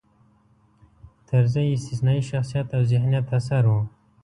طرزی استثنايي شخصیت او ذهینت اثر و.